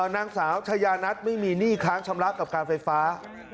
นางสาวชายานัทไม่มีหนี้ค้างชำระกับการไฟฟ้า